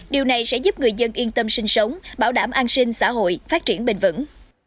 điều này sẽ giúp người dân yên tâm sinh sống bảo đảm an sinh xã hội phát triển bền vững